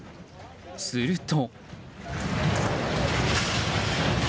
すると。